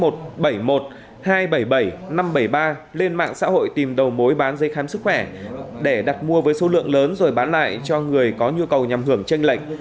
tên mạng xã hội tìm đầu mối bán giấy khám sức khỏe để đặt mua với số lượng lớn rồi bán lại cho người có nhu cầu nhằm hưởng chênh lệnh